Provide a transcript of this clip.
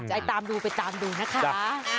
ตามดูไปตามดูนะคะ